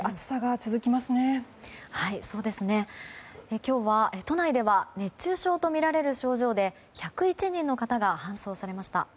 今日は都内では熱中症とみられる症状で１０１人の方が搬送されました。